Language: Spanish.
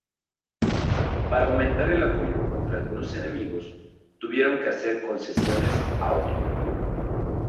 Para aumentar el apoyo contra algunos enemigos, tuvieron que hacer concesiones a otros.